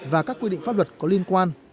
và các quy định pháp luật có liên quan